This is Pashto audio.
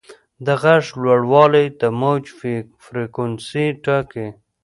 د غږ لوړوالی د موج فریکونسي ټاکي.